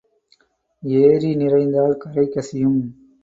ஏரி நிறைந்தால் கரை கசியும்.